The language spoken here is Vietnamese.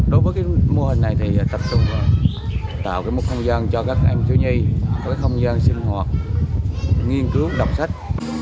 đối với mô hình này thì tập trung vào tạo một không gian cho các em thiếu nhây không gian sinh hoạt nghiên cứu đọc sách